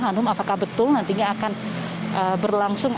hanum apakah betul nantinya akan berlangsung